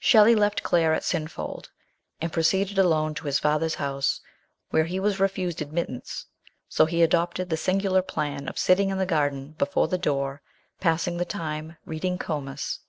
Shelley left Claire at Slinfold, and pro ceeded alone to his father's house, where he was refused admittance; so he adopted the singular plan of sitting in the garden, before the door, passing the time by reading Comus.